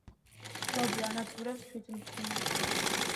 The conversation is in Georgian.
ბო-ბო ანადგურებს თვითმფრინავს.